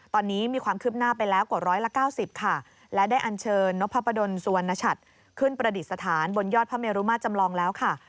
ตอนนี้มีความคืบหน้าไปแล้วกว่า๑๙๐ค่ะและได้อันเชิญนพดลสุวรรณชัดขึ้นประดิษฐานบนยอดพระเมรุมาตรจำลองแล้วค่ะ